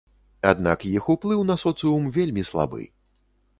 Аднак іх уплыў на соцыум вельмі слабы.